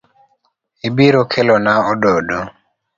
Ibiro Kelona ododo.